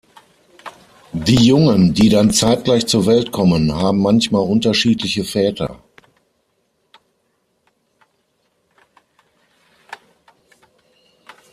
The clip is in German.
Die Jungen, die dann zeitgleich zur Welt kommen, haben manchmal unterschiedliche Väter.